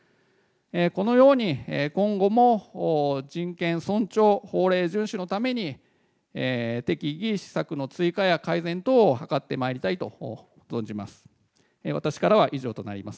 このように今後も人権尊重、法令順守のために適宜、施策の追加や改善等を図ってまいりたいと存じます。